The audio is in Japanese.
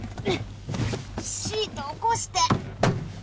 シート起こして。